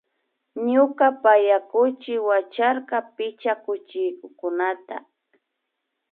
Ñuka paya kuchi wacharka picha kuchikukunata